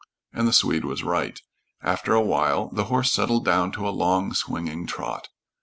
And the Swede was right. After a while the horse settled down to a long, swinging trot.